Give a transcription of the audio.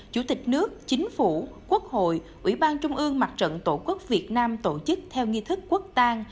chủ tịch nước chính phủ quốc hội ubnd tổ quốc việt nam tổ chức theo nghi thức quốc tang